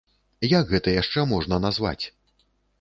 Як гэта яшчэ можна назваць?